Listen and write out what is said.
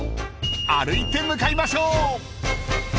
［歩いて向かいましょう］